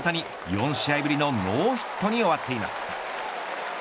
４試合ぶりのノーヒットに終わっています。